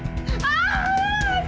jangan pak jangan pak